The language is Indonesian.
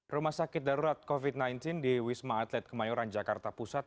rumah sakit darurat covid sembilan belas di wisma atlet kemayoran jakarta pusat